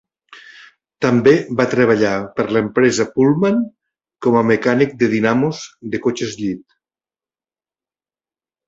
També va treballar per l'empresa Pullman com a mecànic de dinamos de cotxes llit.